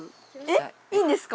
えっいいんですか？